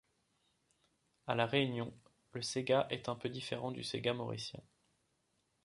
À la Réunion, le Séga est un peu différent du Séga mauricien.